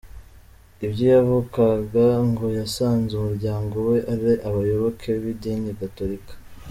Ubwo yavukaga ngo yasanze umuryango we ari abayoboke b’idini gatolika.